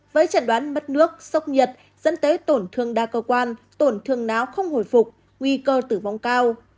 với trận đoán mất nước sốc nhiệt dẫn tới tổn thương đa cơ quan tổn thương não không hồi phục nguy cơ tử vong cao